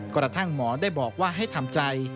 กระทั่งหมอได้บอกว่าให้ทำใจ